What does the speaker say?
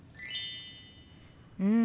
うん。